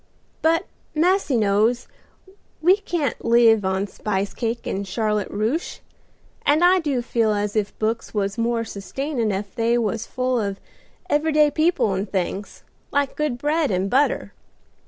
But massy knows, we can't live on spice cake and Charlotte Ruche, and I do feel as if books was more sustainin' ef they was full of every day people and things, like good bread and butter.